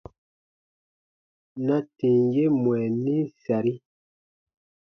Na tìm ye mwɛ nim sari :